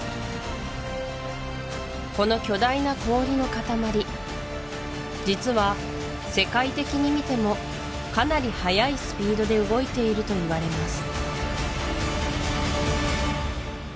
この巨大な氷の塊実は世界的に見てもかなり速いスピードで動いているといわれます